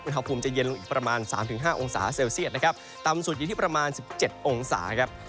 อุณหภูมิจะเย็นลงอีกประมาณ๓๕องศาเซลเซียตนะครับต่ำสุดอยู่ที่ประมาณ๑๗องศาครับ